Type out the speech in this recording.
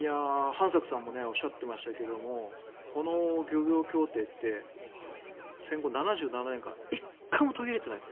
飯作さんもおっしゃっていましたがこの漁業協定って戦後７７年から１回も途切れてない。